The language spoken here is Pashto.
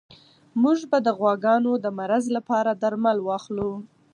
موږ به د غواګانو د مرض لپاره درمل واخلو.